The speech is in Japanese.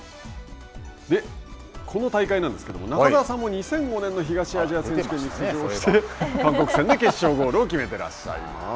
この大会なんですけども、中澤さんも２００５年の東アジア選手権に出場して韓国戦で決勝ゴールを決めてらっしゃいます。